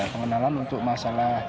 pengenalan untuk masalah